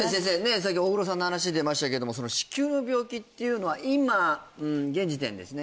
さっき大黒さんの話出ましたけれども子宮の病気っていうのは今現時点ですね